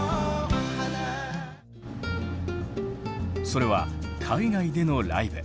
それは海外でのライブ。